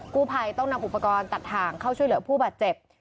กู้ภัยต้องนำอุปกรณ์ตัดทางเข้าช่วยเหลือผู้บาดเจ็บ